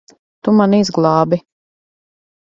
Tu mani izglābi.